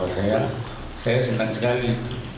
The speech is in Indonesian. saya senang sekali